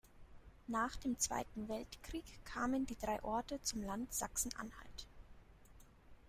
Nach dem Zweiten Weltkrieg kamen die drei Orte zum Land Sachsen-Anhalt.